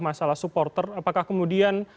masalah supporter apakah kemudian